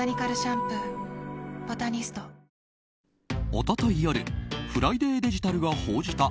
一昨日夜フライデーデジタルが報じた